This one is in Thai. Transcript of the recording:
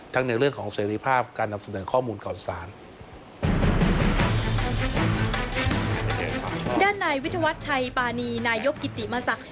ในเรื่องของเสรีภาพการนำเสนอข้อมูลข่าวสาร